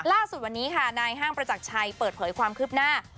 ล่าสุดวันนี้ค่ะนายห้างประจักรชัยเปิดเผยความคืบหน้า